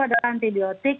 ini juga antibiotik